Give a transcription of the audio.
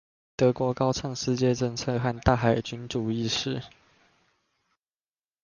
德國高唱世界政策和大海軍主義時